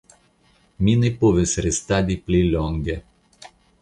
Mi ne povis restadi pli longe.